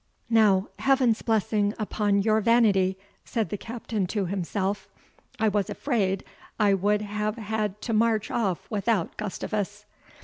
"Now, Heaven's blessing upon your vanity!" said the Captain to himself. "I was afraid I would have had to march off without Gustavus."